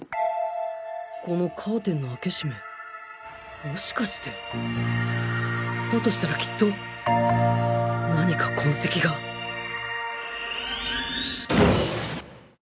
このカーテンの開け閉めもしかしてだとしたらきっと何か痕跡がっ